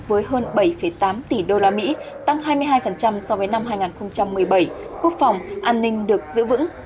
với hơn bảy tám tỷ usd tăng hai mươi hai so với năm hai nghìn một mươi bảy quốc phòng an ninh được giữ vững